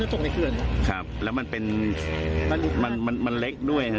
ถ้าส่งในเครื่องครับแล้วมันเป็นมันมันมันเล็กด้วยนะ